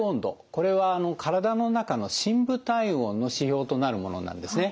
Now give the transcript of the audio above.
これは体の中の深部体温の指標となるものなんですね。